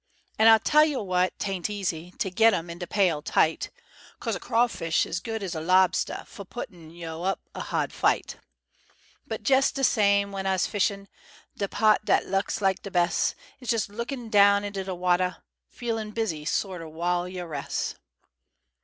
An' ah tell yo' what, 'tain't easy To get 'em in de pail tight 'Cos a craw fish's good as a lobstuh Fo' puttin' yo' up a ha'd fight. But jes' de same, w'en ah's fishin', De paht dat ah laks de bes' Is jes' lookin' down into de watuh, Feelin' busy sorta, whal yo' res'.